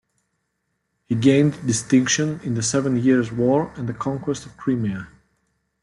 He gained distinction in the Seven Years' War and the conquest of Crimea.